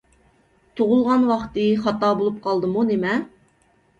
تۇغۇلغان ۋاقتى خاتا بولۇپ قالدىمۇ نېمە؟